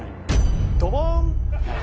ドボン！